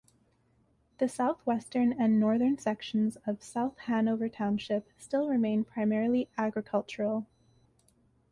The southwestern and northern sections of South Hanover Township still remain primarily agricultural.